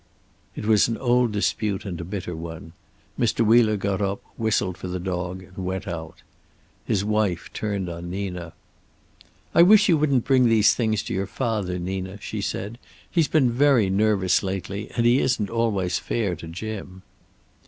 It was an old dispute and a bitter one. Mr. Wheeler got up, whistled for the dog, and went out. His wife turned on Nina. "I wish you wouldn't bring these things to your father, Nina," she said. "He's been very nervous lately, and he isn't always fair to Jim."